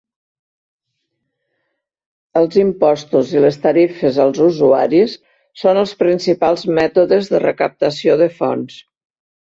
Els impostos i les tarifes als usuaris són els principals mètodes de recaptació de fons.